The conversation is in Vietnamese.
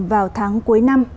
vào tháng cuối năm